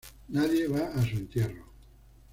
Nadie va a su entierro.